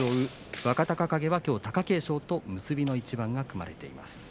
若隆景は貴景勝と結びの一番が組まれています。